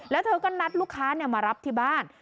แล้วเธอก็นัดลูกค้ามารับที่บ้าน